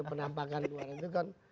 itu penampakan luar